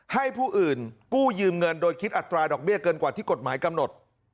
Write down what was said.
ให้ผู้อื่นกู้ยืมเงินโดยคิดอัตราดอกเบี้ยเกินกว่าที่กฎหมายกำหนด